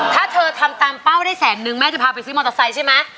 ถ้าเธอทำตามเป้าได้แสนนึงแม่จะพาไปซื้อมอเตอร์ไซค์ใช่ไหม